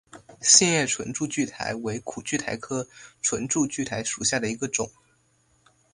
线叶唇柱苣苔为苦苣苔科唇柱苣苔属下的一个种。